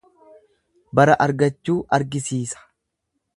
Bara argachuu argisiisa.